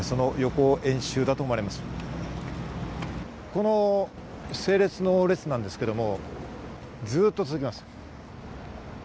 この整列の列なんですが、ずっと続きます。